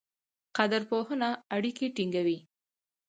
قدرپوهنه اړیکې ټینګوي.